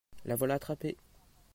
La voilà attrapée